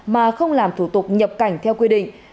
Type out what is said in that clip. mà không làm thủ tục nhập cảnh theo quy định